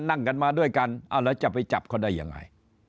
นั่งกันมาด้วยกันเอาแล้วจะไปจับเขาได้ยังไง